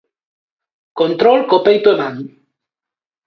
Control co peito e man.